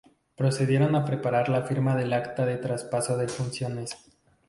Procedieron a preparar la firma del acta de traspaso de funciones.